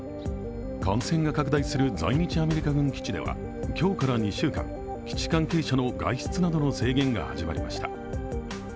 感染が拡大する在日アメリカ軍基地では今日から２週間、基地関係者の外出などの制限が始まりました。